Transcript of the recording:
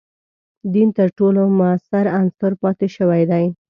دین تر ټولو موثر عنصر پاتې شوی دی.